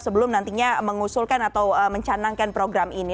sebelum nantinya mengusulkan atau mencanangkan program ini